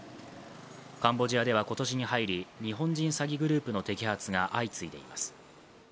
カンボジアでは今年に入り、日本人詐欺グループの摘発が相次いでいます。